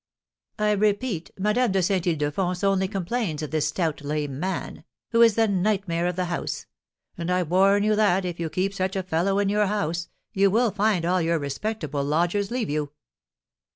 "I repeat, Madame de Saint Ildefonse only complains of this stout lame man, who is the nightmare of the house; and I warn you that, if you keep such a fellow in your house, you will find all your respectable lodgers leave you."